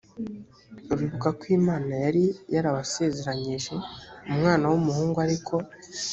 uribuka ko imana yari yarabasezeranyije umwana w umuhungu ariko